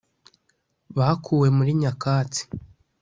Bakuwe muri nyakatsi